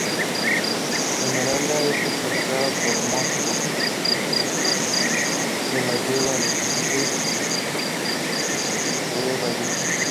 Esmeralda es secuestrada por "Mosco", quien la lleva al escondite de Vallejo.